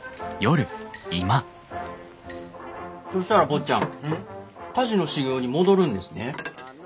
そしたら坊ちゃん菓子の修業に戻るんですね？